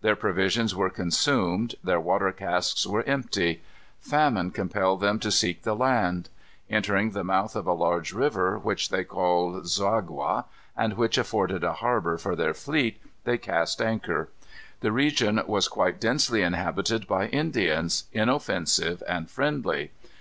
Their provisions were consumed. Their water casks were empty. Famine compelled them to seek the land. Entering the mouth of a large river, which they called Xagua, and which afforded a harbor for their fleet, they cast anchor. The region was quite densely inhabited by Indians, inoffensive and friendly.